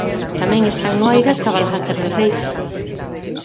Tamén están no aire as cabalgatas de Reis.